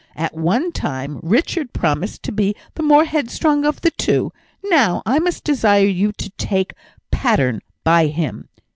At one time, Richard promised to be the more headstrong of the two; now, I must desire you to take pattern by him.